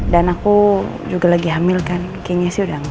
dan aku juga lagi hamil kan kayaknya sih udah enggak